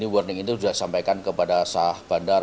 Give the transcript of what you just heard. warning itu sudah disampaikan kepada sah bandar